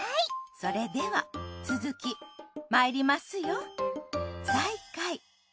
それでは続きまいりますよ。再開。